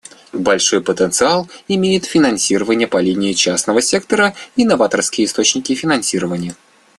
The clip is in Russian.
Большой потенциал имеют финансирование по линии частного сектора и новаторские источники финансирования.